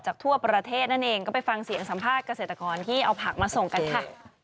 ทั่วประเทศนั่นเองก็ไปฟังเสียงสัมภาษณ์เกษตรกรที่เอาผักมาส่งกันค่ะ